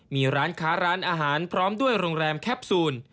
มีร้านค้าร้านอาหารพร้อมด้วยโรงแรมแคปซูล